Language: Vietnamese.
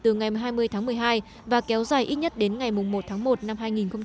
từ ngày hai mươi tháng một mươi hai và kéo dài ít nhất đến ngày một tháng một năm hai nghìn hai mươi